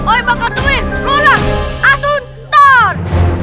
oe bakal temuin lu orang asuntor